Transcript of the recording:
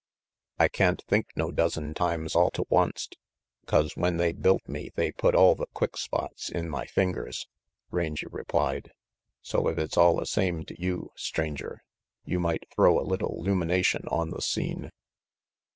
"I can't think no dozen times all to onct, 'cause when they built me they put all the quick spots in my fingers," Rangy replied. "So if it's alia same to you, Stranger, you might throw a little 'lumination on the scene."